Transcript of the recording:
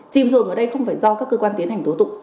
chìm dồn ở đây không phải do các cơ quan tiến hành tố tụng